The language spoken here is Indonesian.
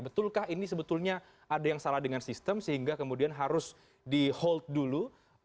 betulkah ini sebetulnya ada yang salah dengan sistem sehingga kemudian harus di hold dulu